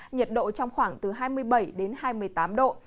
nhiệt độ trong khoảng từ hai mươi bảy đến hai mươi tám độ